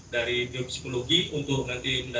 dari biopsikologi untuk memperkenalkan kita